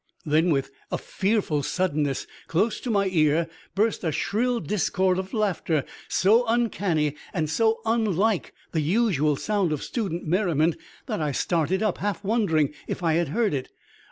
Then, with a fearful suddenness, close to my ear burst a shrill discord of laughter, so uncanny and so unlike the usual sound of student merriment that I started up, half wondering if I had heard it.